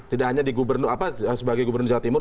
tidak hanya di gubernur apa sebagai gubernur jawa timur